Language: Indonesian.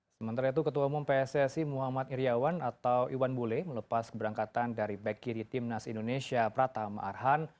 sementara itu ketua umum pssi muhammad iryawan atau iwan bule melepas keberangkatan dari back kiri timnas indonesia pratama arhan